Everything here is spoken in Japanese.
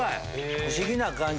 不思議な感じ